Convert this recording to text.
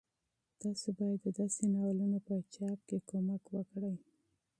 تاسو باید د داسې ناولونو په چاپ کې مرسته وکړئ.